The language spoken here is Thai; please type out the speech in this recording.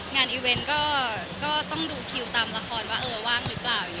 งานอีเวนต์ก็ต้องดูคิวตามละครว่าเออว่างหรือเปล่า